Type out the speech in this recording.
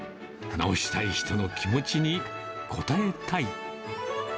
直したい人の気持ちに応えたい。